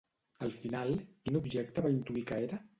Al final, quin objecte va intuir que era?